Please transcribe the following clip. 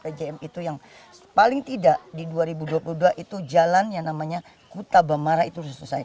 makanya saya di epjm itu yang paling tidak di dua ribu dua puluh dua itu jalan yang namanya kutabamara itu selesai